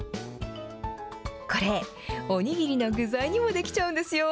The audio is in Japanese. これ、お握りの具材にもできちゃうんですよ。